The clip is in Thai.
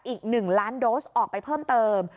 อีก๑ล้านโดสออกไปเพิ่มเติม